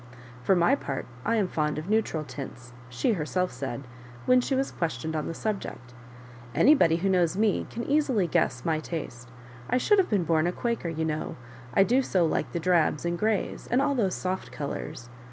"For my part, I am fond of neutral tmts," she her self said, when she was questioned on the sub* ject ;" anybody who knows me can easily gnesa my taste. I should have been born a Quaker, you know, I do so like the drabs and greys, and all those soft colours.